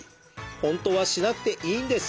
本当はしなくていいんです！